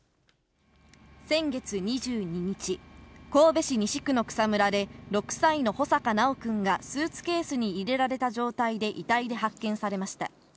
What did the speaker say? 先月２２日、神戸市西区の草むらで、６歳の穂坂修くんが、スーツケースに入れられた状態で遺体で発見されました。